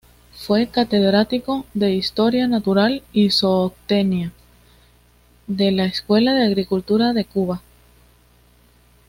Fue catedrático de Historia Natural y Zootecnia de la Escuela de Agricultura de Cuba.